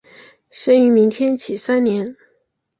生于明天启三年。